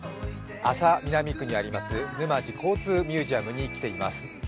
安佐南区にあるヌマジ交通ミュージアムに来ています。